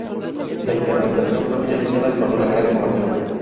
La interpretación fue finalizada con una gran ovación.